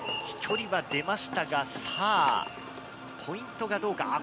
飛距離は出ましたがポイントがどうか。